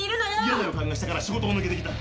嫌な予感がしたから仕事を抜けてきた。